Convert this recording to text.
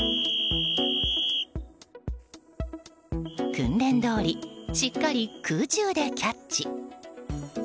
訓練どおりしっかり空中でキャッチ。